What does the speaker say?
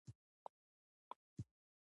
که په تعلیم کې اصلاح وي نو خیانت نه وي.